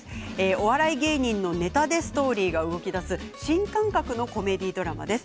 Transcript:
お笑い芸人のネタでストーリーが動きだす新感覚のコメディードラマです。